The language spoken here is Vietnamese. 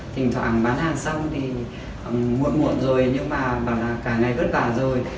thỉnh thoảng bán hàng xong thì muộn muộn rồi nhưng mà cả ngày vất vả rồi